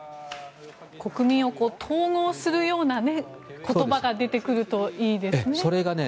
国民を統合するような言葉が出てくるといいですね。